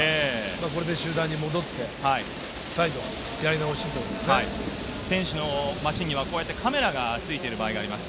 これで集団に戻って選手のマシンにはカメラがついている場合があります。